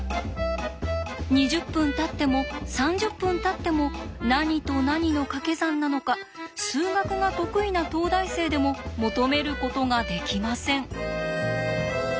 ２０分たっても３０分たっても何と何のかけ算なのか数学が得意な東大生でも求めることができません。